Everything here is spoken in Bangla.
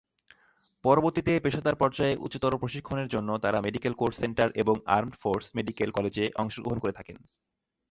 পরবর্তীতে পেশাদার পর্যায়ে উচ্চতর প্রশিক্ষণের জন্য তারা মেডিকেল কোর সেন্টার এবং আর্মড ফোর্স মেডিকেল কলেজে অংশগ্রহণ করে থাকেন।